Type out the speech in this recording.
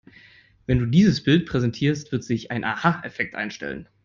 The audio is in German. Wenn du dieses Bild präsentierst, wird sich ein Aha-Effekt einstellen.